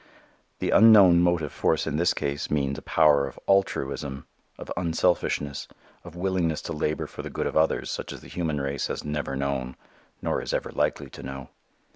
The unknown motive force in this case means a power of altruism, of unselfishness, of willingness to labor for the good of others, such as the human race has never known, nor is ever likely to know.